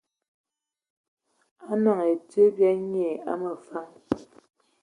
Anɔn ai tsid bya nyiŋ a məfan.